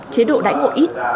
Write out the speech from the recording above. chế độ đãi ngộ ít